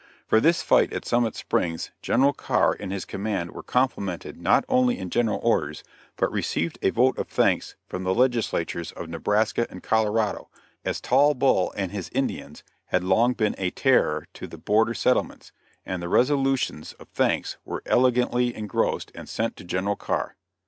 For this fight at Summit Springs General Carr and his command were complimented not only in General Orders, but received a vote of thanks from the Legislatures of Nebraska and Colorado as Tall Bull and his Indians had long been a terror to the border settlements and the resolutions of thanks were elegantly engrossed and sent to General Carr.